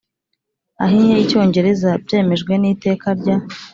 ahinnye y Icyongereza byemejwe n iteka rya